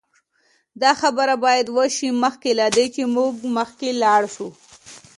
دا خبره باید وشي مخکې له دې چې موږ مخکې لاړ شو